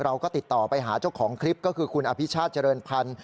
เราก็ติดต่อไปหาเจ้าของคลิปก็คือคุณอภิชาติเจริญพันธ์